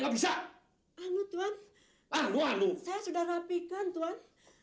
tapi semua ini bukan saya yang lakukan ya tuhan